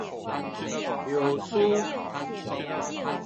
葉書